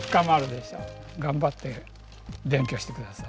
頑張って勉強して下さい。